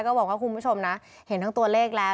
ก็บอกว่าคุณผู้ชมนะเห็นทั้งตัวเลขแล้ว